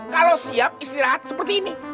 kalau siap istirahat seperti ini